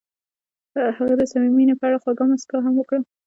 هغې د صمیمي مینه په اړه خوږه موسکا هم وکړه.